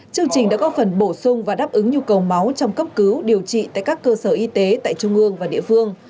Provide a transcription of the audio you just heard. chương trình đã góp phần bổ sung và đáp ứng nhu cầu máu trong cấp cứu điều trị tại các cơ sở y tế tại trung ương và địa phương